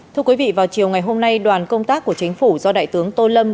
thưa quý vị vào chiều ngày hôm nay đoàn công tác của chính phủ do đại tướng tô lâm